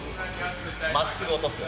まっすぐ落とす。